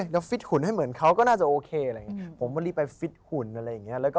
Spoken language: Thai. แล้วฟิตหุ่นให้เหมือนเขาก็น่าจะโอเคอะไรอย่างนี้ผมก็รีบไปฟิตหุ่นอะไรอย่างนี้